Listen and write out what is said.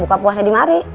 buka puasa di mari